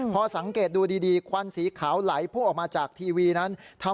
พอสังเกตดูดีควันสีขาวไหลพุ่งออกมาจากทีวีนั้น